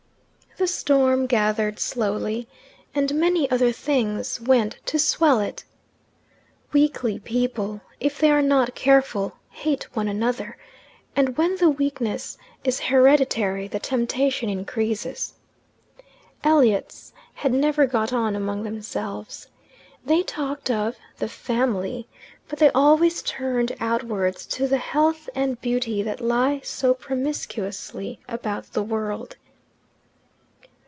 The storm gathered slowly, and many other things went to swell it. Weakly people, if they are not careful, hate one another, and when the weakness is hereditary the temptation increases. Elliots had never got on among themselves. They talked of "The Family," but they always turned outwards to the health and beauty that lie so promiscuously about the world.